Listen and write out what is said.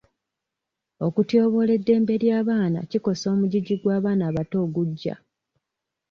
Okutyoboola eddembe ly'abaana kikosa omugigi gw'abaana abato ogujja.